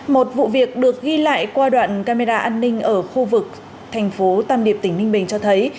một vụ việc được ghi lại qua đoạn camera an ninh ở khu vực thành phố tam điệp tỉnh ninh bình cho thấy